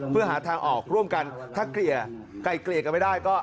เพื่อหาทางออกร่วมกันถ้าเกลี่ยไกลเกลี่ยกันไม่ได้ก็